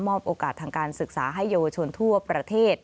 โอกาสทางการศึกษาให้เยาวชนทั่วประเทศ